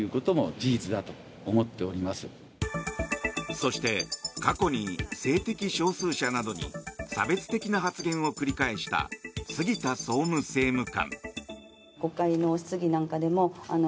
そして過去に性的少数者などに差別的な発言を繰り返した杉田総務政務官。